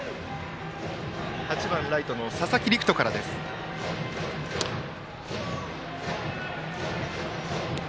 ８番ライトの佐々木陸仁からの攻撃です。